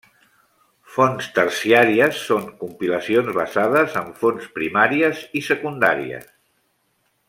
Fonts terciàries són compilacions basades en fonts primàries i secundàries.